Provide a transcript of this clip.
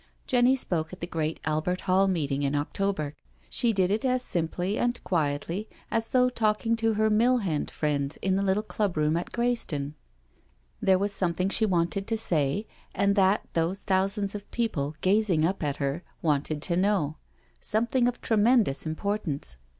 Jenny spoke at the great Albert Hall meeting in October. She did it as simply and quietly as though 124 ON A TROLLY CART 125 talking to her mill hand friends in the little club room at Greyston. There was something she wanted to say, and that those thousands of people, gazing up at her, wanted to know — something of tremendous importance.